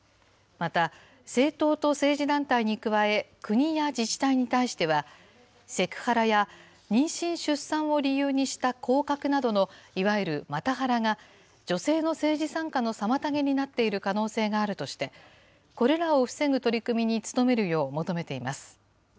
また、政党と政治団体に加え、国や自治体に対しては、セクハラや妊娠・出産を理由にした降格などの、いわゆるマタハラが、女性の政治参加の妨げになっている可能性があるとして、これらを防ぐ取り組みに努めるよう求めています。